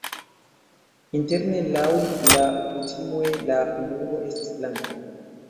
Interne laŭ la kutimoj la muro estas blanka.